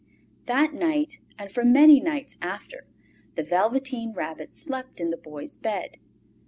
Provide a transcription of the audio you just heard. That night, and for many nights after, the Velveteen Rabbit slept in the Boy's bed.